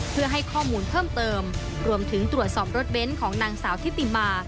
เพื่อให้ข้อมูลเพิ่มเติมรวมถึงตรวจสอบรถเบนท์ของนางสาวทิติมา